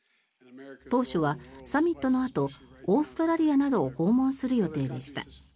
当初は、サミットのあとオーストラリアなどを訪問する予定でした。